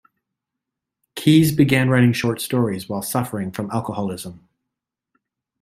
Keyes began writing short stories while suffering from alcoholism.